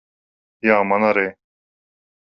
Jā, man arī.